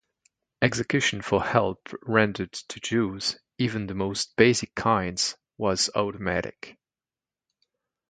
Execution for help rendered to Jews, even the most basic kinds, was automatic.